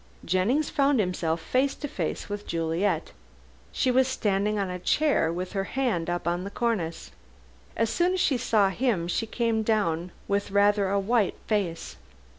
Jennings found himself face to face with Juliet. She was standing on a chair with her hand up on the cornice. As soon as she saw him she came down with rather a white face.